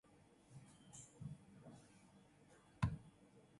The National Air and Space Administration shares maps and satellite data.